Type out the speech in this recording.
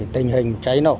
tình hình cháy nổ